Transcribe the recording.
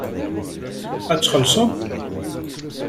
Ad txellṣem?